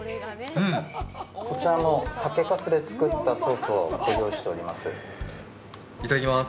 こちらの、酒かすで作ったソースをご用意しております。